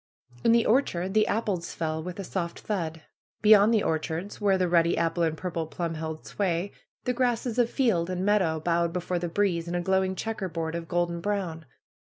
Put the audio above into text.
In the orchard the apples fell with a soft thud. Be yond the orchards, where the ruddy apple and purple plum held sway, the grasses of field and meadow bowed before the breeze in a glowing checkerboard of golden brown.